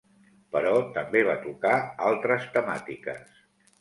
Però també va tocar altres temàtiques.